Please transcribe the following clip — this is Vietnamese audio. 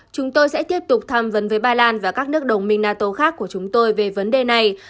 chúng tôi sẽ tiếp tục tham vấn với ba lan và các nước đồng minh nato khác của chúng tôi về vấn đề này